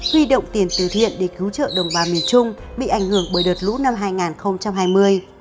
huy động tiền từ thiện để cứu trợ đồng bào miền trung bị ảnh hưởng bởi đợt lũ năm hai nghìn hai mươi